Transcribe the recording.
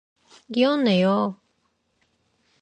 기억나요.